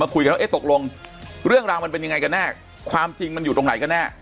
คุยกันว่าเอ๊ะตกลงเรื่องราวมันเป็นยังไงกันแน่ความจริงมันอยู่ตรงไหนกันแน่